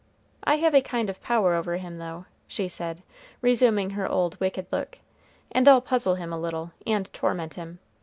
I have a kind of power over him, though," she said, resuming her old wicked look, "and I'll puzzle him a little, and torment him.